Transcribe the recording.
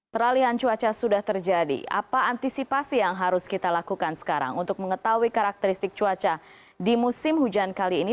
peralihan cuaca sudah terjadi apa antisipasi yang harus kita lakukan sekarang untuk mengetahui karakteristik cuaca di musim hujan kali ini